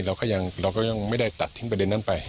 เราก็ยังไม่ได้ตัดทิ้งประเด็นนั้นไป